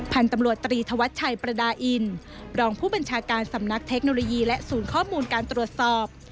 พันธุ์ตำรวจตรีธวัชชัยประดาอินรองผู้บัญชาการสำนักเทคโนโลยีและศูนย์ข้อมูลการตรวจสอบ